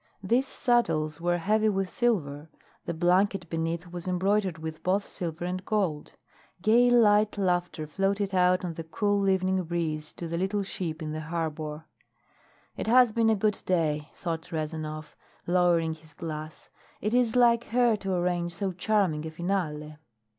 These saddles were heavy with silver, the blanket beneath was embroidered with both silver and gold. Gay light laughter floated out on the cool evening breeze to the little ship in the harbor. "It has been a good day," thought Rezanov, lowering his glass. "It is like her to arrange so charming a finale."